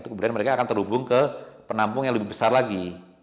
kemudian mereka akan terhubung ke penampung yang lebih besar lagi